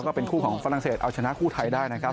ก็เป็นคู่ของฝรั่งเศสเอาชนะคู่ไทยได้นะครับ